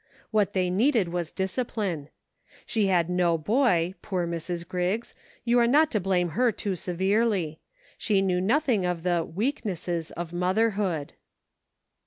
What they needed was discipline. She had no boy, poor Mrs. Griggs ! you are not to blame her too severely ; she knew nothing of the " weak nesses " of motherhood.